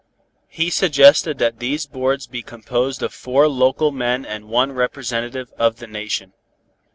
He suggested that these boards be composed of four local men and one representative of the Nation.